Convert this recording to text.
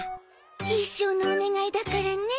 一生のお願いだからね。